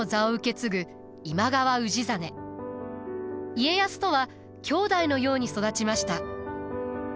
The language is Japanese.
家康とは兄弟のように育ちました。